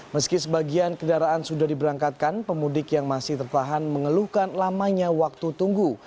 meski sebagian kendaraan sudah diberangkatkan pemudik yang masih tertahan mengeluhkan lamanya waktu tunggu